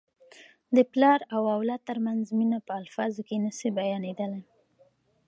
د پلار او اولاد ترمنځ مینه په الفاظو کي نه سي بیانیدلی.